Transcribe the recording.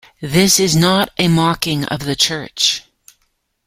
This is not a mocking of the church.